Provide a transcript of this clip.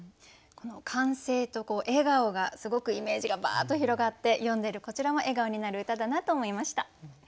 この歓声と笑顔がすごくイメージがばっと広がって読んでるこちらも笑顔になる歌だなと思いました。